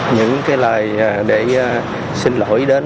những lời để xin lỗi đến